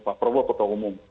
pak prabowo ketua umum